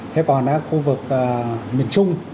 thế còn khu vực miền trung